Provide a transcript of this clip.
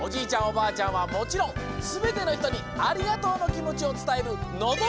おばあちゃんはもちろんすべてのひとにありがとうのきもちをつたえるのど